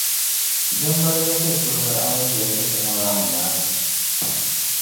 Di ŋmalgi ti suhiri A ni dolsi ti ŋɔ maa nyaaŋa.